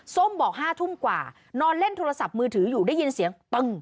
ส้มบอก๕ทุ่มกว่านอนเล่นโทรศัพท์มือถืออยู่ได้ยินเสียงตึ้ง